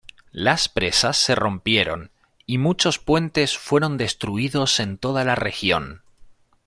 Las presas se rompieron y muchos puentes fueron destruidos en toda la región.